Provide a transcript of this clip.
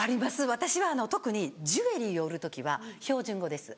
私は特にジュエリーを売る時は標準語です。